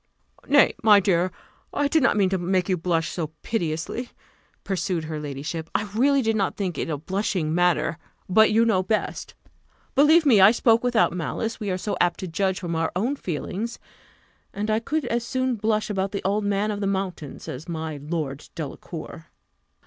"Nay, my dear, I did not mean to make you blush so piteously," pursued her ladyship: "I really did not think it a blushing matter but you know best. Believe me, I spoke without malice; we are so apt to judge from our own feelings and I could as soon blush about the old man of the mountains as about my Lord Delacour."